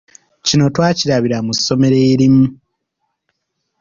Kino twakirabira mu ssomero erimu.